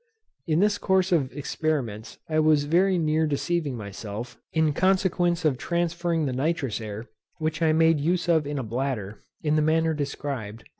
In this course of experiments I was very near deceiving myself, in consequence of transferring the nitrous air which I made use of in a bladder, in the manner described, p.